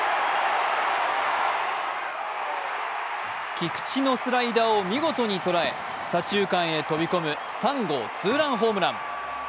菊池のスライダーを見事に捉え、左中間に飛び込む３合ツーランホームラン。